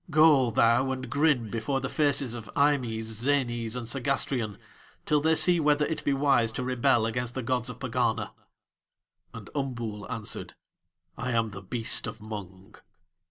Go, thou and grin before the faces of Eimës, Zänës, and Segástrion till they see whether it be wise to rebel against the gods of Pegana." And Umbool answered: "I am the beast of Mung."